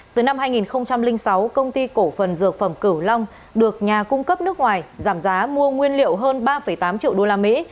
từ năm hai nghìn sáu công ty cổ phần dược phẩm cửu long được nhà cung cấp nước ngoài giảm giá mua nguyên liệu hơn ba tám triệu usd